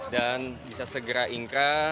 dan bisa segera ingkah